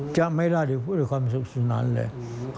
จะไม่ล่าอีกช่วงความสุขรเลย